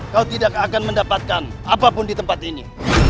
kau tidak akan mendapatkan apapun ditempat ini